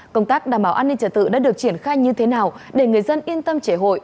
công tác đảm bảo an ninh trật tự đã được triển khai như thế nào để người dân yên tâm trẻ hội